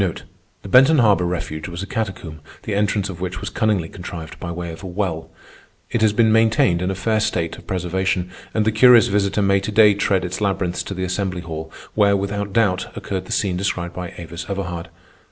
The Benton Harbor refuge was a catacomb, the entrance of which was cunningly contrived by way of a well. It has been maintained in a fair state of preservation, and the curious visitor may to day tread its labyrinths to the assembly hall, where, without doubt, occurred the scene described by Avis Everhard.